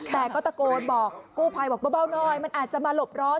แต่ก็ตะโกนบอกกู้ภัยบอกเบาหน่อยมันอาจจะมาหลบร้อน